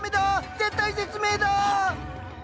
絶体絶命だ！